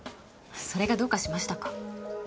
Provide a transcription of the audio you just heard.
それがどうかしましたか？